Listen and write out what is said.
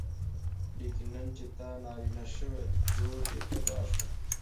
لیکن نن چې ته نارینه شوې زور دې پیدا شو.